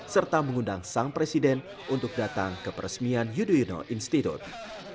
serta mengundang sang presiden untuk datang ke peresmian yudhoyono institute